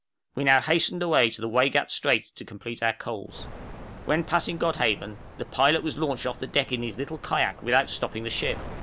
We now hastened away to the Waigat Strait to complete our coals. When passing Godhaven, the pilot was launched off our deck in his little kayak without stopping the ship!